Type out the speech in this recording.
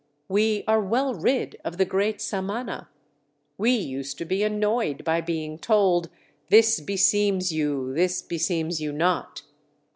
We are well rid of the great Samana. We used to be annoyed by being told, 'This beseems you, this beseems you not.'